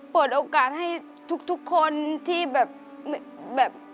เปิดโอกาสให้ทุกคนที่แบบ